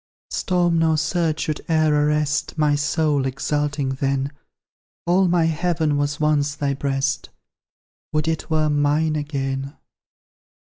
Storm nor surge should e'er arrest My soul, exalting then: All my heaven was once thy breast, Would it were mine again!